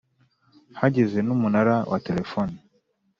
hageze n’umunara wa telefoni.